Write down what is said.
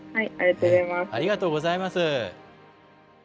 ありがとうございます。